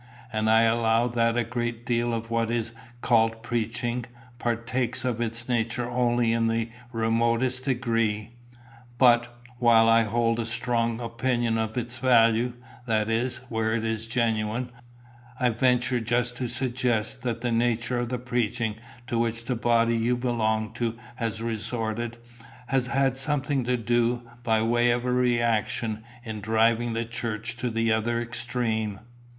And I allow that a great deal of what is called preaching, partakes of its nature only in the remotest degree. But, while I hold a strong opinion of its value that is, where it is genuine I venture just to suggest that the nature of the preaching to which the body you belong to has resorted, has had something to do, by way of a reaction, in driving the church to the other extreme."